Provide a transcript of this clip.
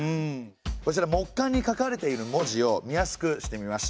こちら木簡に書かれている文字を見やすくしてみました。